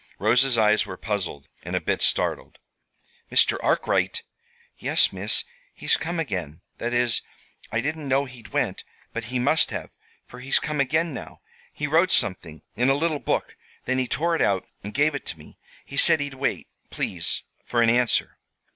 Rosa's eyes were puzzled, and a bit startled. "Mr. Arkwright!" "Yes, Miss. He's come again. That is, I didn't know he'd went but he must have, for he's come again now. He wrote something in a little book; then he tore it out and gave it to me. He said he'd wait, please, for an answer."